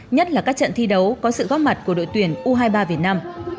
nhất là các trận thi đấu có sự góp mặt của đội tuyển u hai mươi ba việt nam